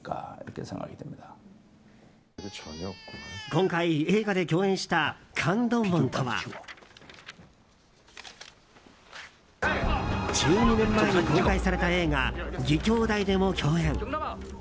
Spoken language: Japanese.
今回、映画で共演したカン・ドンウォンとは１２年前に公開された映画「義兄弟」でも共演。